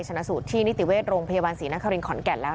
ชนะสูตรที่นิติเวชโรงพยาบาลศรีนครินขอนแก่นแล้ว